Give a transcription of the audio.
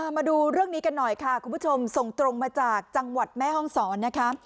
มาดูเรื่องนี้กันหน่อยค่ะคุณผู้ชมส่งตรงมาจากจังหวัดแม่ห้องศรนะคะ